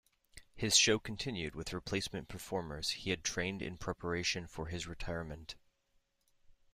His show continued with replacement performers he had trained in preparation for his retirement.